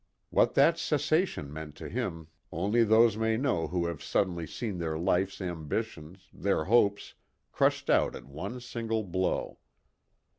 What that cessation meant to him only those may know who have suddenly seen their life's ambitions, their hopes, crushed out at one single blow.